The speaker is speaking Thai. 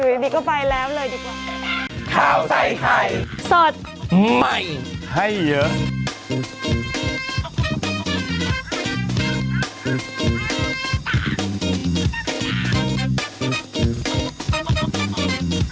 อยู่ดีก็ไปแล้วเลยดีกว่า